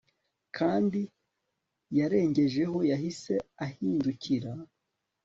ntakindi yarengejeho yahise ahindukira